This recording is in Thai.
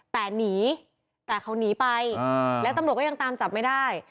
แต่หนีแต่เขาหนีไปแล้วตำรวจก็ยังตามจับไม่ได้